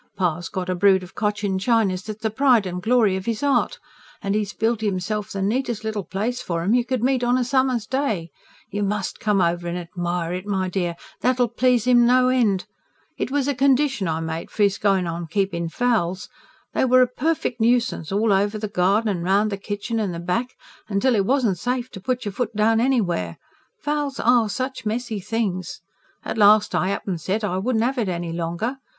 "Pa's got a brood of Cochin Chinas that's the pride and glory of 'is heart. And 'e's built 'imself the neatest little place for 'em you could meet on a summer's day: you MUST come over and admire it, my dear that'll please 'im, no end. It was a condition I made for 'is going on keeping fowls. They were a perfect nuisance, all over the garden and round the kitchen and the back, till it wasn't safe to put your foot down anywhere fowls ARE such messy things! At last I up and said I wouldn't have it any longer.